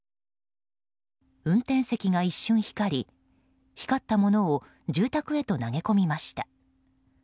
運転席が一瞬光り、光ったものを住宅へと投げ込みました。